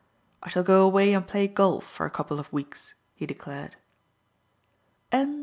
"I shall go away and play golf for a couple of weeks," he declared.